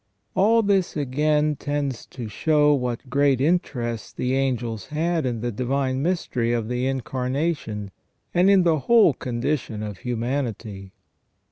All this again tends to show what great interest the angels had in the divine mystery of the Incarnation, and in the whole condition of humanity.